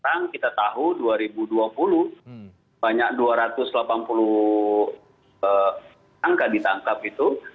tetang kita tahu dua ribu dua puluh banyak dua ratus delapan puluh orang yang tidak ditangkap itu